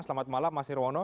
selamat malam mas nirwono